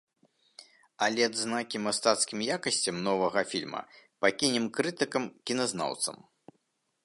Але адзнакі мастацкім якасцям новага фільма пакінем крытыкам-кіназнаўцам.